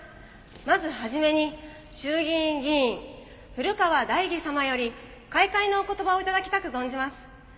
まず初めに衆議院議員古河大儀様より開会のお言葉を頂きたく存じます。